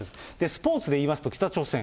スポーツで言いますと北朝鮮。